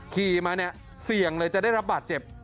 ขี่มาเนี่ยเสี่ยงเลยจะได้รับบาดเจ็บ